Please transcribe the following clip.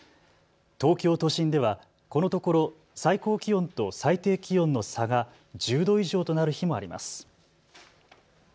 東京都心ではこのところ最高気温と最低気温の差が１０度以上となる日もあります。